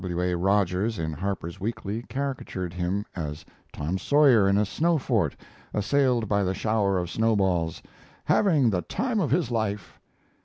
W. A. Rogers, in Harper's Weekly, caricatured him as Tom Sawyer in a snow fort, assailed by the shower of snowballs, "having the time of his life."